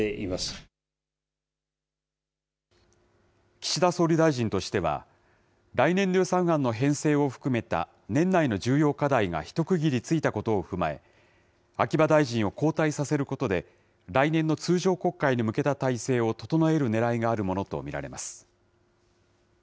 岸田総理大臣としては、来年度予算案の編成を含めた年内の重要課題が一区切りついたことを踏まえ、秋葉大臣を交代させることで、来年の通常国会に向けた体制を整えるねらいがあるものと見られます。